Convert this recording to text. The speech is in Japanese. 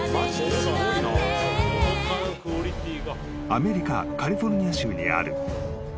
［アメリカカリフォルニア州にある］